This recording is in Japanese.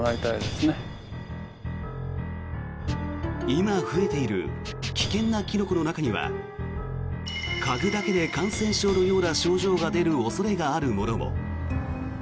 今増えている危険なキノコの中には嗅ぐだけで感染症のような症状が出る恐れのものも。